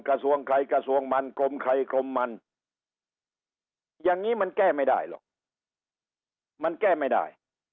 กระทรวงใครกระทรวงมันกรมใครกรมมันอย่างนี้มันแก้ไม่ได้หรอกมันแก้ไม่ได้